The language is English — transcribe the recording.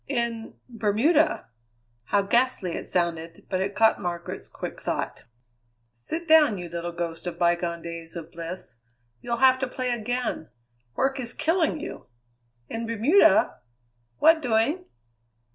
"In Bermuda." How ghastly it sounded, but it caught Margaret's quick thought. "Sit down, you little ghost of bygone days of bliss. You'll have to play again. Work is killing you. In Bermuda? What doing?"